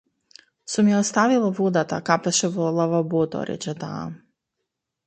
Сум ја оставила водата, капеше во лавабото, рече таа.